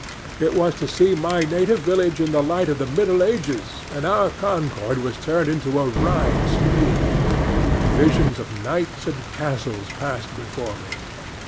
It was to see my native village in the light of the Middle Ages, and our Concord was turned into a Rhine stream, and visions of knights and castles passed before me.